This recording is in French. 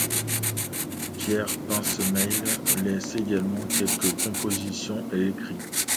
Pierre Pincemaille laisse également quelques compositions et écrits.